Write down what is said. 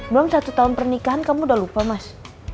belum satu tahun pernikahan kamu udah lupa mas